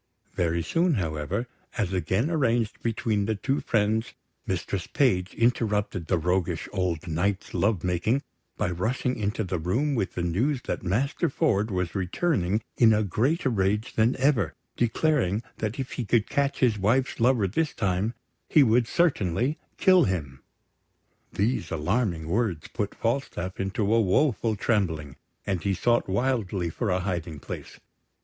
Very soon, however, as again arranged between the two friends, Mistress Page interrupted the roguish old Knight's love making by rushing into the room with the news that Master Ford was returning in a greater rage than ever, declaring that if he could catch his wife's lover this time he would certainly kill him. These alarming words put Falstaff into a woeful trembling, and he sought wildly for a hiding place.